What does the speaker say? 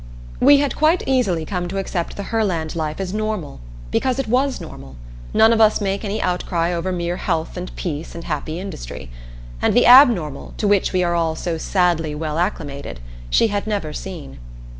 We had quite easily come to accept the Herland life as normal, because it was normal none of us make any outcry over mere health and peace and happy industry. And the abnormal, to which we are all so sadly well acclimated, she had never seen.